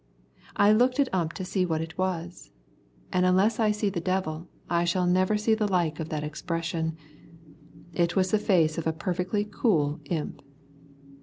I looked at Ump to see what it was, and unless I see the devil, I shall never see the like of that expression. It was the face of a perfectly cool imp.